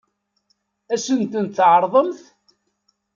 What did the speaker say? Ad sent-tent-tɛeṛḍemt?